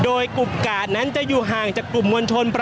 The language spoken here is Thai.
ก็น่าจะมีการเปิดทางให้รถพยาบาลเคลื่อนต่อไปนะครับ